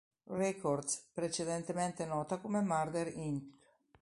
Records, precedentemente nota come Murder Inc.